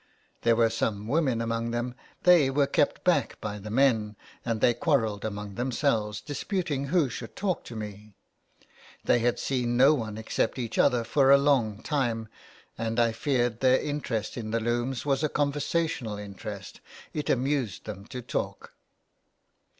There were some women among them ; they were kept back by the men, and they quarrelled among themselves, disputing who should talk to me. They had seen no one except each other for a long time, and I feared their interest in the looms was a conversational interest — it amused them to talk.